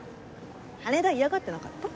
羽田嫌がってなかった？